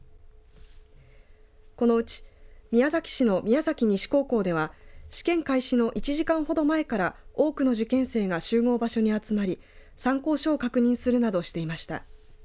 このうち宮崎市の宮崎西高校では試験開始の１時間ほど前から多くの受験生が集合場所に集まり参考書を確認するなどしていました。